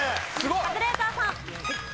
カズレーザーさん。